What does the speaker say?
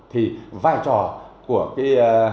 thì vai trò của cái